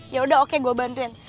yaudah oke gua bantuin